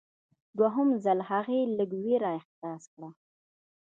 دوهم ځل هغې لږ ویره احساس کړه.